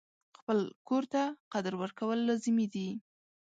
خپل کور ته قدر ورکول لازمي دي.